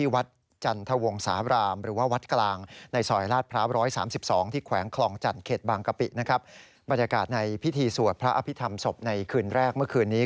วันนี้พระอภิษฐรมศพในคืนแรกเมื่อคืนนี้